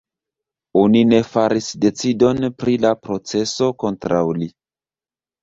Oni ne faris decidon pri la proceso kontraŭ li.